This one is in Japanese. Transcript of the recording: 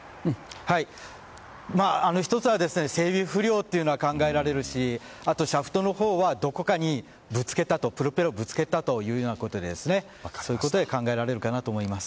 １つは、整備不良というのが考えられるしあとシャフトのほうはどこかにプロペラをぶつけたとかそういうことが考えられるかなと思います。